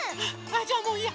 じゃあもういいや！